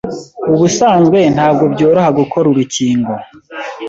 Ubusanzwe ntabwo byoroha gukora urukingo